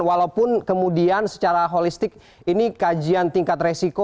walaupun kemudian secara holistik ini kajian tingkat resiko